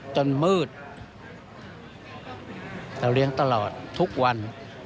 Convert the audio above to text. จนมืดเราเลี้ยงตลอดทุกวัน